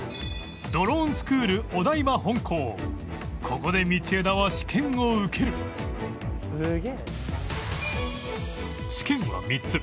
ここで道枝は試験を受ける試験は３つ